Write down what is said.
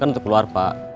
bisa untuk keluar pak